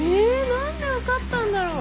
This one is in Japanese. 何で分かったんだろう。